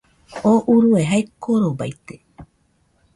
Tú urue jae korobaite